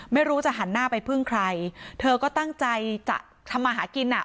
ไม่รู้จะหันหน้าไปพึ่งใครเธอก็ตั้งใจจะทำมาหากินอ่ะ